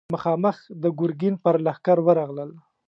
مخامخ د ګرګين پر لښکر ورغلل.